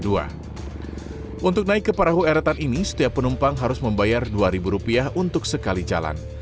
untuk naik ke perahu eretan ini setiap penumpang harus membayar rp dua untuk sekali jalan